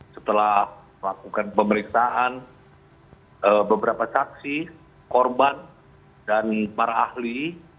setelah melakukan pemeriksaan beberapa saksi korban dan para ahli